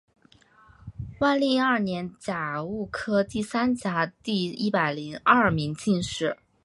万历二年甲戌科第三甲第一百零二名进士。